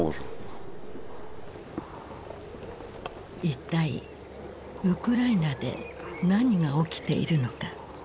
一体ウクライナで何が起きているのか。